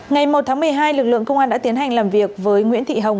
ngày một tháng một mươi hai lực lượng công an đã tiến hành làm việc với nguyễn thị hồng